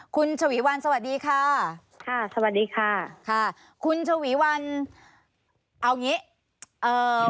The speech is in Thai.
คุณฉวีวันสวัสดีค่ะคุณฉวีวันเอาอย่างนี้